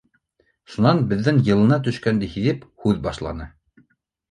Шунан, беҙҙең йылына төшкәнде һиҙеп, һүҙ башланы: